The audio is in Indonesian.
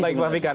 baik pak fikar